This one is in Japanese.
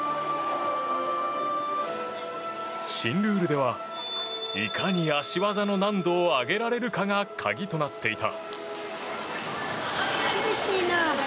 新ルールでは、いかに脚技の難度を上げられるかが鍵となっていた。